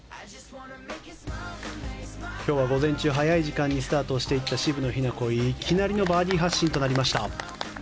今日は午前中、早い時間にスタートしていった渋野日向子、いきなりのバーディー発進となりました。